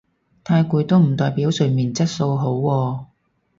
太攰都唔代表睡眠質素好喎